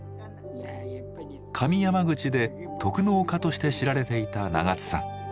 上山口で篤農家として知られていた永津さん。